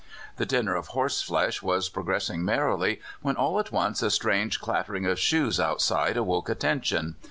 The dinner of horse flesh was progressing merrily when all at once a strange clattering of shoes outside awoke attention.